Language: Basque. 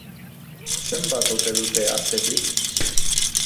Zenbat ote dute artetik?